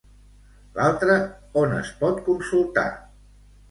L'altre on es pot consultar?